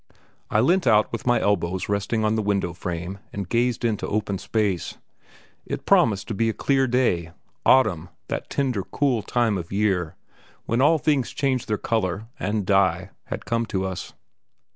I leant with my elbows resting on the window frame and gazed into open space. It promised to be a clear day autumn, that tender, cool time of the year, when all things change their colour, and die, had come to us.